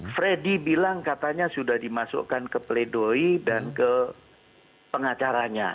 freddy bilang katanya sudah dimasukkan ke pledoi dan ke pengacaranya